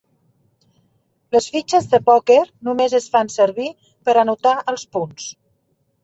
Les fitxes de pòquer només es fan servir per anotar els punts.